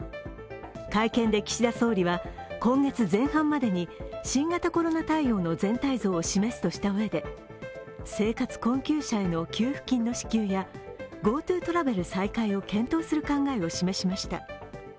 会見で岸田総理は、今月前半までに新型コロナ対応の全体像を示すとしたうえで生活困窮者への給付金の支給やＧｏＴｏトラベル再開を検討する考えを示しました。